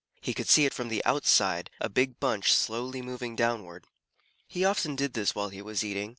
He could see it from the outside, a big bunch slowly moving downward. He often did this while he was eating.